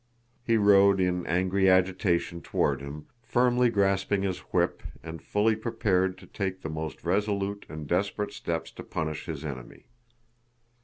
He rode in angry agitation toward him, firmly grasping his whip and fully prepared to take the most resolute and desperate steps to punish his enemy.